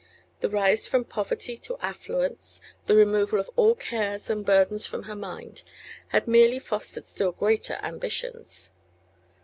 The rise from poverty to affluence, the removal of all cares and burdens from her mind, had merely fostered still greater ambitions.